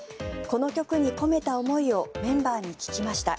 この曲に込めた思いをメンバーに聞きました。